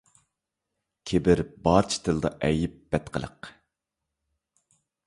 كىبىر – بارچە تىلدا ئەيب، بەتقىلىق.